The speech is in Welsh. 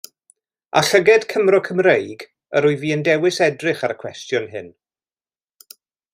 Â llygaid Cymro Cymreig yr wyf i yn dewis edrych ar y cwestiwn hwn.